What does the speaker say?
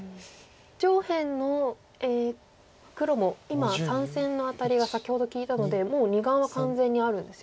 上辺の黒も今３線のアタリが先ほど利いたのでもう２眼は完全にあるんですよね？